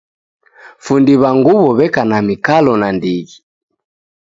Fundi w'a nguw'o w'eka na mikalo nandighi.